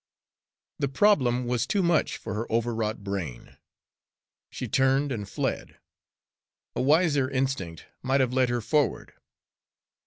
The problem was too much for her overwrought brain. She turned and fled. A wiser instinct might have led her forward.